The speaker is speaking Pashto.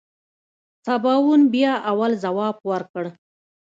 سباوون بيا اول ځواب ورکړ.